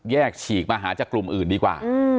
ฉีกมาหาจากกลุ่มอื่นดีกว่า